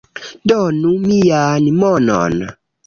Donu mian monon